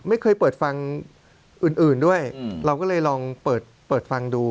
ไม่เคยเปิดฟังอื่นด้วยเราก็เลยลองเปิดฟังดู